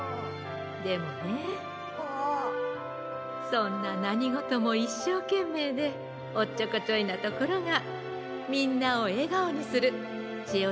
そんななにごともいっしょうけんめいでおっちょこちょいなところがみんなをえがおにするちえおちゃんのいいところなんだよ。